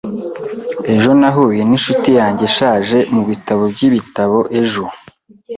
Ejo nahuye ninshuti yanjye ishaje mubitabo byibitabo ejo.